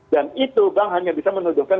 dan itu bank hanya bisa menuduhkan